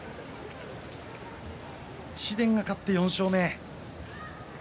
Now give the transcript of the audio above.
紫雷が勝って、４勝目。